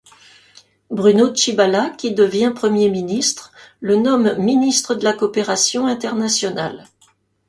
Bruno Tshibala qui devient Premier ministre, le nomme ministre de la Coopération internationale.